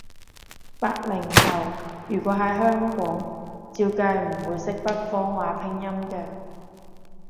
八零後，如果喺香港，照計唔會識北方話拼音㗎